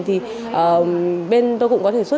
thì bên tôi cũng có thể xuất